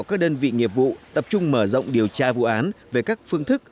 các đơn vị nghiệp vụ tập trung mở rộng điều tra vụ án về các phương thức